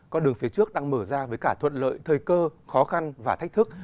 con đường phía trước đang mở ra với cả thuận lợi thời cơ khó khăn và thách thức